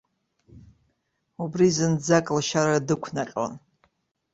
Убри зынӡак лшьара дықәнаҟьон.